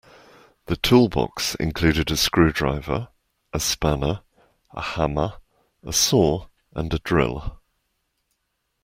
The toolbox included a screwdriver, a spanner, a hammer, a saw and a drill